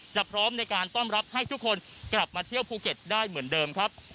พร้อมในการต้อนรับให้ทุกคนกลับมาเที่ยวภูเก็ตได้เหมือนเดิมครับ